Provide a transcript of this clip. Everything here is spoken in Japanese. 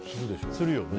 するよね。